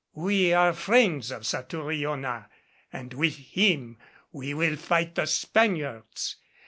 "We are friends of Satouriona and with him we will fight the Spaniards.